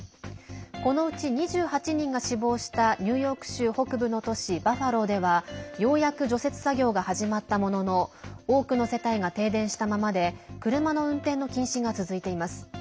このうち２８人が死亡したニューヨーク州北部の都市バファローではようやく除雪作業が始まったものの多くの世帯が停電したままで車の運転の禁止が続いています。